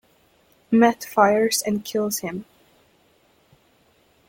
Matt fires and kills him.